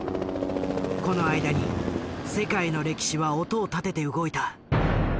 この間に世界の歴史は音を立てて動いた。